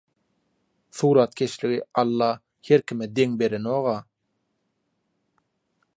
Suratkeşligi Alla her kime deň berenog-a.